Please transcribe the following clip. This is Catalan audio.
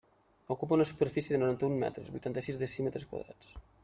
Ocupa una superfície de noranta-un metres, vuitanta-sis decímetres quadrats.